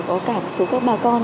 có cả một số các bà con